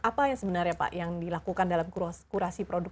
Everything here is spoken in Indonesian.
apa yang sebenarnya pak yang dilakukan dalam kurasi produk